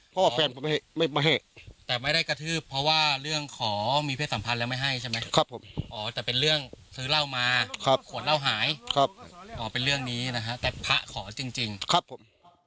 เพราะว่าแฟนผมไม่แต่ไม่ได้กระทืบเพราะว่าเรื่องขอมีเพศสัมพันธ์แล้วไม่ให้ใช่ไหมครับผมอ๋อแต่เป็นเรื่องซื้อเหล้ามาขวดเหล้าหายอ๋อเป็นเรื่องนี้นะฮะแต่พระขอจริงครับผม